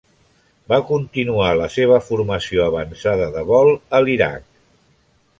Va continuar la seva formació avançada de vol a l'Iraq.